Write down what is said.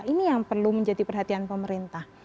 ini yang perlu menjadi perhatian pemerintah